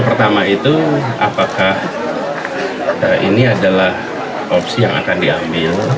pertama itu apakah ini adalah opsi yang akan diambil